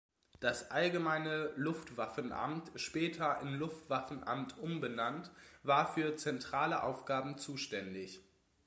Das Allgemeine Luftwaffenamt, später in Luftwaffenamt umbenannt, war für zentrale Aufgaben zuständig.